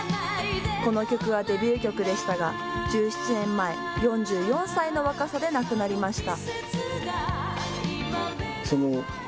この曲はデビュー曲でしたが、１７年前、４４歳の若さで亡くなりました。